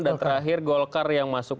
dan terakhir golkar yang masuk